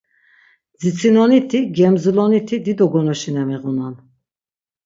Dzitsinoniti, gemzuloniti dido gonoşine miğunan.